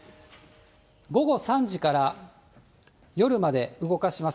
午後３時から夜まで動かします。